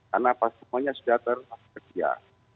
karena pas semuanya sudah terkejia